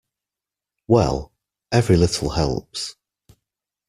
Well, every little helps.